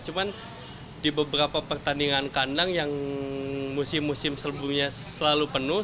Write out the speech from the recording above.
cuman di beberapa pertandingan kandang yang musim musim sebelumnya selalu penuh